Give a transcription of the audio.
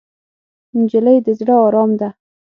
نجلۍ د زړه ارام ده.